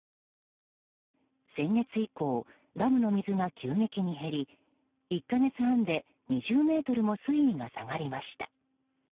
先月以降、ダムの水が急激に減り１か月半で２０ｍも水位が下がりました。